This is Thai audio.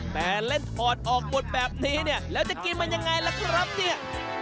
แต่เล่นถอดออกหมดแบบนี้เนี่ยแล้วจะกินมันยังไงล่ะครับเนี่ย